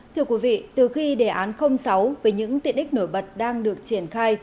thưa quý vị từ khi đề án sáu về những tiện đích nổi bật đang được triển khai